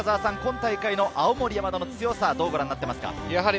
今大会の青森山田の強さ、どうご覧になっていますか？